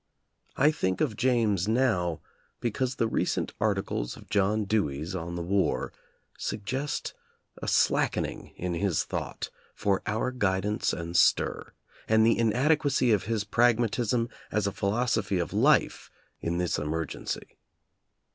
I think of James now because the recent articles of John Dewey's on the war suggest a slackening in his thought for our guidance and stir, and the inade quacy of his pragmatism as a philosophy of life in this emergency.